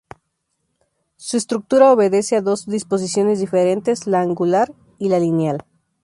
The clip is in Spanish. Su estructura obedece a dos disposiciones diferentes, la angular y la lineal.